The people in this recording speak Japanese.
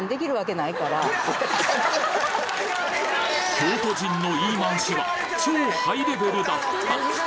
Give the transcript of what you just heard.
京都人の言い回しは超ハイレベルだった！